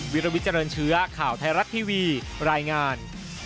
วิลวิทเจริญเชื้อข่าวไทยรัฐทีวีรายงาน